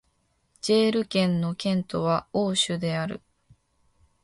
ジェール県の県都はオーシュである